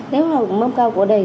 nếu là mâm cao cỗ đầy